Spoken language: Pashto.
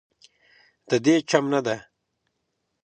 ددې چم نه